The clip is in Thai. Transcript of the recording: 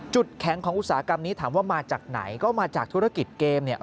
แข็งของอุตสาหกรรมนี้ถามว่ามาจากไหนก็มาจากธุรกิจเกมเนี่ย